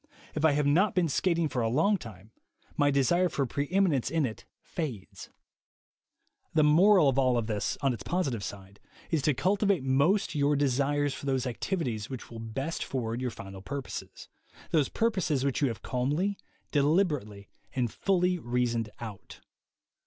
If I have not been skating for a long time, my desire for preem inence in it fades. 60 THE WAY TO WILL POWER The moral of all this, on its positive side, is to cultivate most your desires for those activities which will best forward your final purposes — those pur poses which you have calmly, deliberately and fully reasoned out.